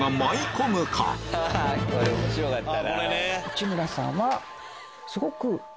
内村さんはすごく。